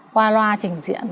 qua loa chỉnh diện